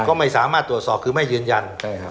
ก็ไม่สามารถตรวจสอบคือไม่ยืนยัน